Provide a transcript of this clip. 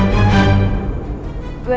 lu ada di mana